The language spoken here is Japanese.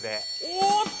おっと！